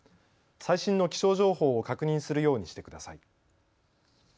最新の気象情報を確認するようにしてください。